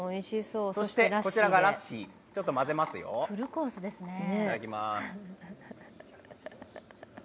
そしてこちらがラッシー、ちょっと混ぜますよ、いただきます。